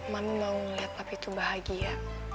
mami mau liat papi tuh bahagia